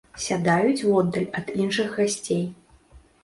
Сядаюць воддаль ад іншых гасцей.